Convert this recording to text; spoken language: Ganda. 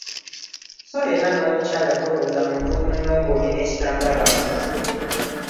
So era n’omukyala tobuuza muntu munno ng’olina ekitambaala ku mutwe.